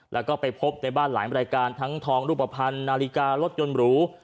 แล้วก็ไปพบในบ้านหลายรายการทั้งทองรูปภัณฑ์นาฬิการถยนต์หรู